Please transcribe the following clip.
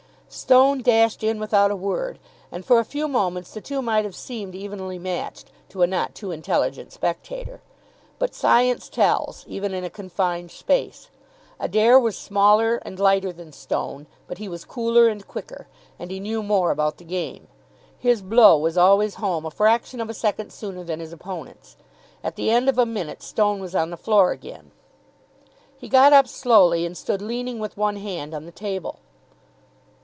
Stone dashed in without a word, and for a few moments the two might have seemed evenly matched to a not too intelligent spectator. But science tells, even in a confined space. Adair was smaller and lighter than Stone, but he was cooler and quicker, and he knew more about the game. His blow was always home a fraction of a second sooner than his opponent's. At the end of a minute Stone was on the floor again. He got up slowly and stood leaning with one hand on the table.